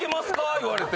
言われて。